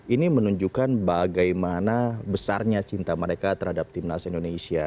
ini menunjukkan bagaimana besarnya cinta mereka terhadap timnas indonesia